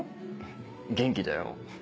元気だよ。